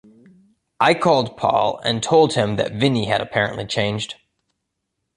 I called Paul and told him that Vinnie had apparently changed.